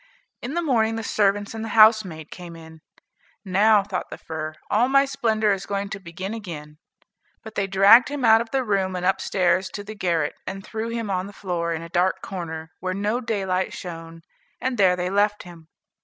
In the morning the servants and the housemaid came in. "Now," thought the fir, "all my splendor is going to begin again." But they dragged him out of the room and up stairs to the garret, and threw him on the floor, in a dark corner, where no daylight shone, and there they left him.